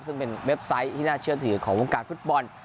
ซึ่งเป็นเว็บไซต์ที่น่าเชื่อถือของวงการฟุตบอล